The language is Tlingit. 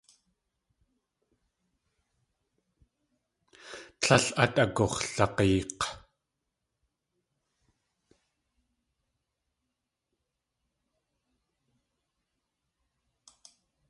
Tlél át agux̲lag̲eek̲.